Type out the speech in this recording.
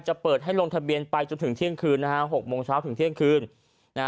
เปิดให้ลงทะเบียนไปจนถึงเที่ยงคืนนะฮะหกโมงเช้าถึงเที่ยงคืนนะฮะ